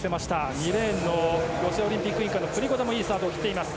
２レーンのロシアオリンピック委員会のプリゴダもいいスタート。